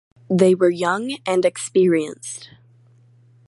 They were young and experienced.